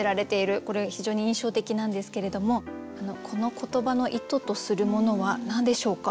これが非常に印象的なんですけれどもこの言葉の意図とするものは何でしょうか？